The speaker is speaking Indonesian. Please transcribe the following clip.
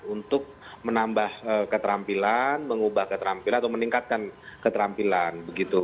untuk menambah keterampilan mengubah keterampilan atau meningkatkan keterampilan